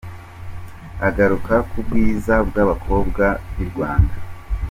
, agaruka ku bwiza bw’abakobwa b’i Rwanda.